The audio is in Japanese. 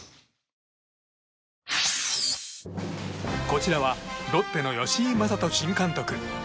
こちらはロッテの吉井理人新監督。